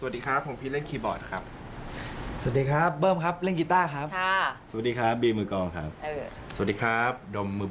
ถึง๒ปีเลยแต่ละคนไปทำอะไรมาบ้าง